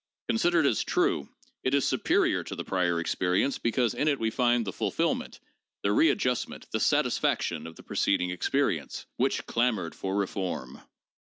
Considered as 'true' it is superior to the prior experience, because in it we find the fulfillment, the readjustment, the satisfaction of the preceding experience, which 'clamored for reform.'